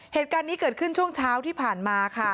เหตุการณ์นี้เกิดขึ้นช่วงเช้าที่ผ่านมาค่ะ